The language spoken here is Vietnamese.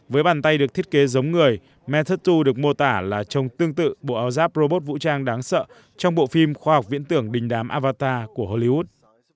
với bàn tay được thiết kế giống người meettu được mô tả là trông tương tự bộ áo giáp robot vũ trang đáng sợ trong bộ phim khoa học viễn tưởng đình đám avatar của hollywood